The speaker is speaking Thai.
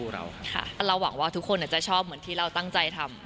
เราหวังว่าทุกคนจะชอบเหมือนที่เราตั้งใจทำ